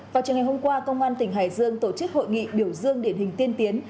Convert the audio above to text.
vào trường ngày hôm qua công an tỉnh hải dương tổ chức hội nghị biểu dương điển hình tiên tiến